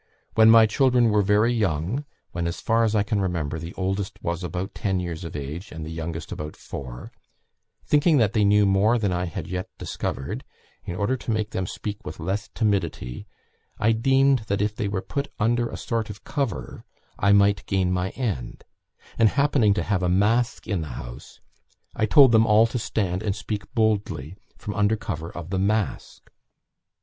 When my children were very young, when, as far as I can remember, the oldest was about ten years of age, and the youngest about four, thinking that they knew more than I had yet discovered, in order to make them speak with less timidity, I deemed that if they were put under a sort of cover I might gain my end; and happening to have a mask in the house, I told them all to stand and speak boldly from under cover of the mask.